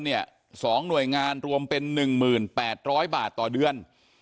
๒หน่วยงานรวมเป็น๑๘๐๐บาทต่อเดือน